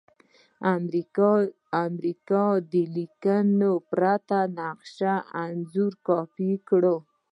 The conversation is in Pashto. د امریکا له لکنې پرته نقشه انځور یا کاپي کړئ.